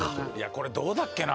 これどうだっけな？